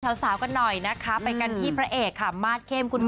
สาวกันหน่อยนะคะไปกันที่พระเอกค่ะมาสเข้มคุณพ่อ